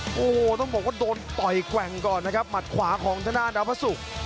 โอ้โหต้องบอกว่าโดนต่อยแกว่งก่อนนะครับหมัดขวาของทางด้านดาวพระศุกร์